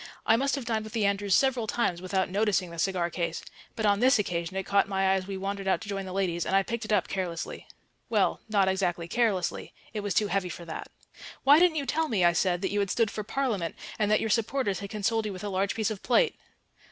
I must have dined with the Andrews several times without noticing the cigar case, but on this occasion it caught my eye as we wandered out to join the ladies, and I picked it up carelessly. Well, not exactly carelessly; it was too heavy for that. "Why didn't you tell me," I said, "that you had stood for Parliament and that your supporters had consoled you with a large piece of plate?